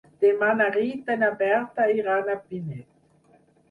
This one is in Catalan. Demà na Rita i na Berta iran a Pinet.